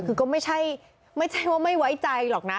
คือก็ไม่ใช่ว่าไม่ไว้ใจหรอกนะ